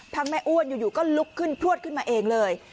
แม่อ้วนอยู่ก็ลุกขึ้นพลวดขึ้นมาเองเลย